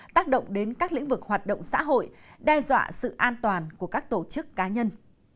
tác động đến các lĩnh vực hoạt động xã hội đe dọa sự an toàn của các tổ chức cá nhân